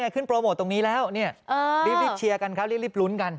โปรโมทตรงนี้แล้วรีบเชียร์กันครับรีบลุ้นกัน